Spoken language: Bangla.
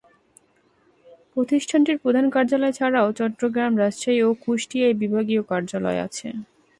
প্রতিষ্ঠানটির প্রধান কার্যালয় ছাড়াও চট্টগ্রাম, রাজশাহী ও কুষ্টিয়ায় বিভাগীয় কার্যালয় আছে।